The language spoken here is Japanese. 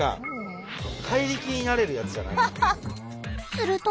すると。